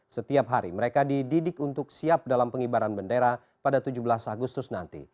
setiap hari mereka dididik untuk siap dalam pengibaran bendera pada tujuh belas agustus nanti